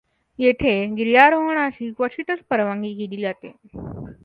येथे गिर्यारोहणाची क्वचितच परवानगी दिली जाते.